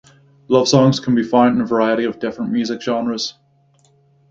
Love songs can be found in a variety of different music genres.